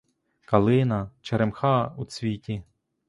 Калина, черемха у цвіті.